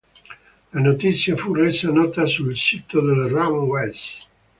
La notizia fu resa nota sul sito delle Runaways.